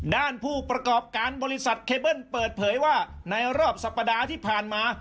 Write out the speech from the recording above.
ผู้ประกอบการบริษัทเคเบิ้ลเปิดเผยว่าในรอบสัปดาห์ที่ผ่านมา